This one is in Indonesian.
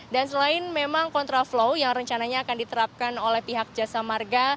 dan selain memang kontraflow yang rencananya akan diterapkan oleh pihak jasa marga